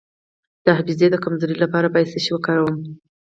د حافظې د کمزوری لپاره باید څه شی وکاروم؟